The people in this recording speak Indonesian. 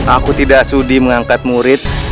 aku tidak sudi mengangkat murid